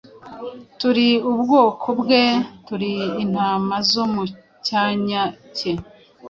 Turi ubwoko bwe, turi intama zo mu cyanya cye.